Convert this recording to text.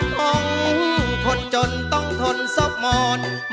ห้องคนจนต้องทนสกมอง